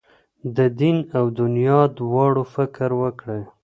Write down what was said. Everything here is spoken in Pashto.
د دین او دنیا دواړو فکر وکړئ.